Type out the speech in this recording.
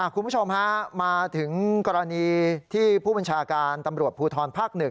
คุณผู้ชมฮะมาถึงกรณีที่ผู้บัญชาการตำรวจภูทรภาค๑